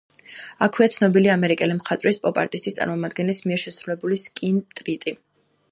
აქვეა ცნობილი ამერიკელი მხატვრის, პოპ-არტის წარმომადგენლის, მიერ შესრულებული სკრინპრინტი.